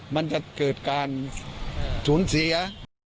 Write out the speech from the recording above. มันจะเกิดการสูญเสีย